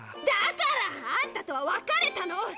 だからあんたとは別れたの！